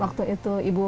waktu cluid berbimbing